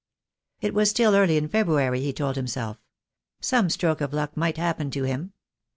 It was still early in February he told himself. Some stroke of luck might happen to him.